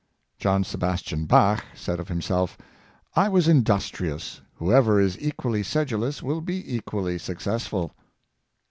John Sebastian Bach said of him self, " I was industrious; whoever is equally sedulous will be equally successful."